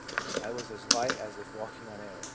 I was as light as if walking on air.